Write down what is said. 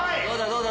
どうだ？